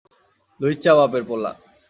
লুইচ্চা বাপের পোলা!